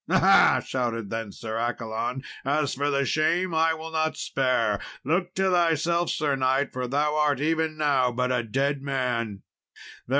"Aha," shouted then Sir Accolon, "as for the shame, I will not spare; look to thyself, sir knight, for thou art even now but a dead man."